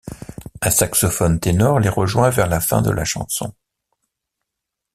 Un saxophone ténor les rejoint vers la fin de la chanson.